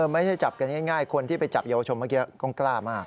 ไม่ใช่จับกันง่ายคนที่ไปจับเยาวชนเมื่อกี้ก็กล้ามาก